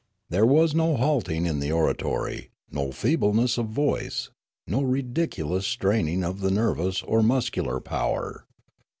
There was no halting in the orator}', no feebleness of voice, no ridiculous straining of the nervous or muscular power.